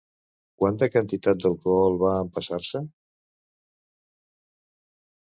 Quanta quantitat d'alcohol va empassar-se?